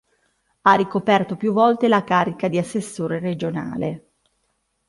Ha ricoperto più volte la carica di assessore regionale.